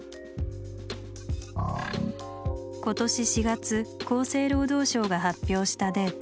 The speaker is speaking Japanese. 今年４月厚生労働省が発表したデータ。